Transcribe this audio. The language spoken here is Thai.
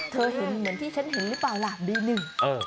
เธอเห็นเหมือนที่ฉันเห็นนี่ป่ะหล่ะมีหนึ่ง